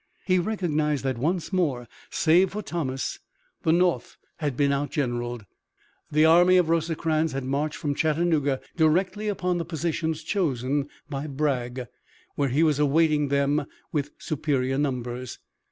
He recognized that once more, save for Thomas, the North had been outgeneraled. The army of Rosecrans had marched from Chattanooga directly upon the positions chosen by Bragg, where he was awaiting them with superior numbers.